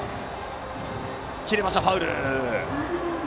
切れましてファウル。